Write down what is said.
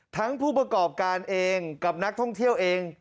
ผู้ประกอบการเองกับนักท่องเที่ยวเอง